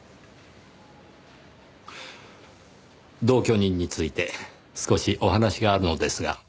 同居人について少しお話があるのですが。